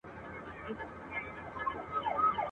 چي خدای درکړی د توري زور دی !.